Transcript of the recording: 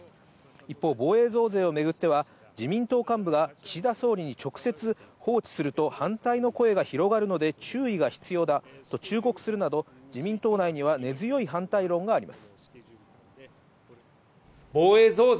一方、防衛増税めぐっては自民党幹部が岸田総理に直接、放置すると反対の声が広がるので、注意が必要だと忠告するなど自民党内には根強い反対論があります。